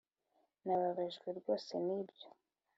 nababajwe rwose nibyo.